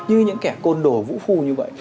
như những kẻ côn đồ vũ phu như vậy